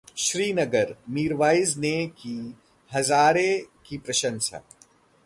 श्रीनगर: मीरवाइज ने की हजारे की प्रशंसा